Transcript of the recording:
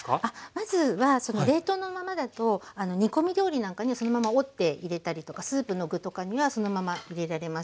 まずは冷凍のままだと煮込み料理なんかにはそのまま折って入れたりとかスープの具とかにはそのまま入れられます。